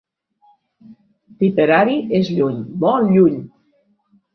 Tipperary és lluny, molt lluny!